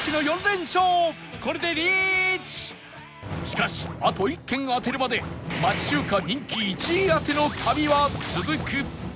しかしあと１軒当てるまで町中華人気１位当ての旅は続く